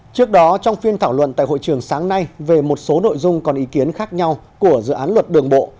trước đó trong phiên thảo luận tại hội trường sáng nay về một số nội dung còn ý kiến khác nhau của dự án luật đường bộ